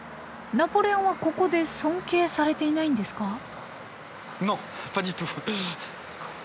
ナポレオンはここで尊敬されていないんですか？